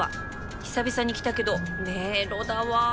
久々に来たけど迷路だわ